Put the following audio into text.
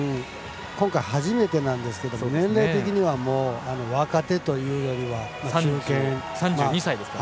今回、初めてなんですけど年齢的には若手というよりは中堅。